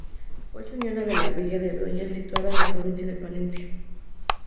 Fue señora de la villa de Dueñas, situada en la provincia de Palencia.